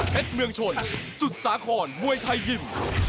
เพชรเมืองชนสุดสาขอนมวยไทยยิ่ม